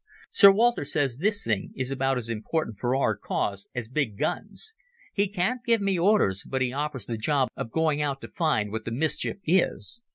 Sir Walter says this thing is about as important for our cause as big guns. He can't give me orders, but he offers the job of going out to find what the mischief is.